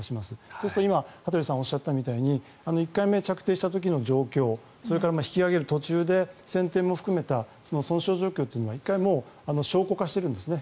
それと今、羽鳥さんがおっしゃったみたいに１回目、着底した時の状況引き揚げる途中で船底も含めた損傷状況を１回証拠化しているんですね。